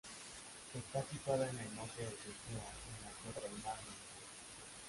Está situada en el norte de Turquía, en la costa del mar Negro.